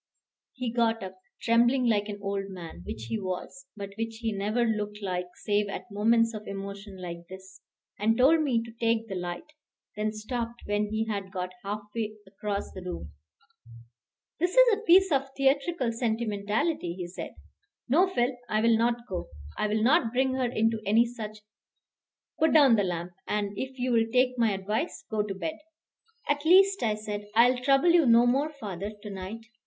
He got up, trembling like an old man, which he was, but which he never looked like save at moments of emotion like this, and told me to take the light; then stopped when he had got half way across the room. "This is a piece of theatrical sentimentality," he said. "No, Phil, I will not go. I will not bring her into any such Put down the lamp, and, if you will take my advice, go to bed." "At least," I said, "I will trouble you no more, father, to night.